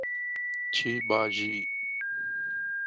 Tibagi